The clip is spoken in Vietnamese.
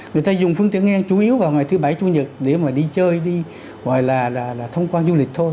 người ta dùng phương tiện cá nhân chủ yếu vào ngày thứ bảy chủ nhật để mà đi chơi đi hoặc là là thông quan du lịch thôi